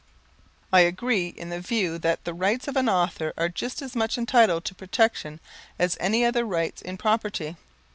I agree in the view that the rights of an author are just as much entitled to protection as any other rights in property.